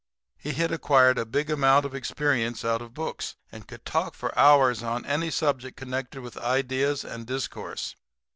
He had acquired a big amount of experience out of books, and could talk for hours on any subject connected with ideas and discourse.